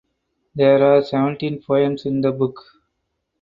There are seventeen "poems" in the book.